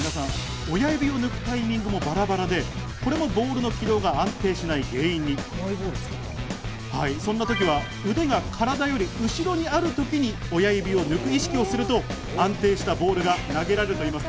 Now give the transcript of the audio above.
そう皆さん、親指を抜くタイミングがバラバラで、これもボールの軌道が安定しない原因にそんな時は腕が体より後ろにあるときに親指を抜く意識をすると安定したボールが投げられるといいます。